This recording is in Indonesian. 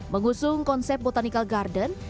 mengusung konsep botanical garden